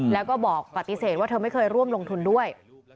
แล้วก็บอกปฏิเสธว่าเธอไม่เคยร่วมลงทุนด้วย